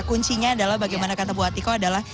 kuncinya adalah bagaimana kata buatiko adalah